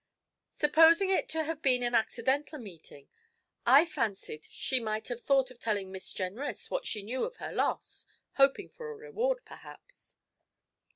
'Supposing it to have been an accidental meeting, I fancied she might have thought of telling Miss Jenrys what she knew of her loss, hoping for a reward, perhaps.'